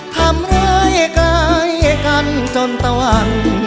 ทำร้ายใกล้กันจนตะวัน